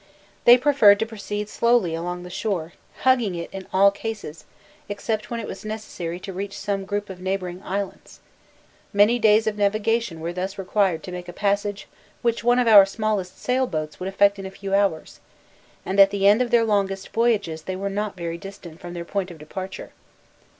They preferred to proceed slowly along the shore, hugging it in all cases, except when it was necessary to reach some group of neighbouring islands; many days of navigation were thus required to make a passage which one of our smallest sail boats would effect in a few hours, and at the end of their longest voyages they were not very distant from their point of departure.